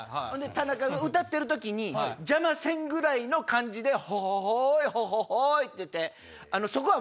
田中が歌ってる時に邪魔せんぐらいの感じで「ホホホイホホホイ」って。